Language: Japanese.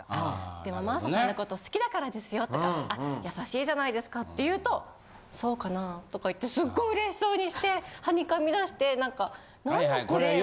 「でも真麻さんのこと好きだからですよ」とか「あっ優しいじゃないですか」って言うと「そうかな」とか言ってすっごい嬉しそうにしてはにかみだして何かなんのプレイを。